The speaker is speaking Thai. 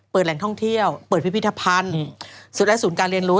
แหล่งท่องเที่ยวเปิดพิพิธภัณฑ์สุดและศูนย์การเรียนรู้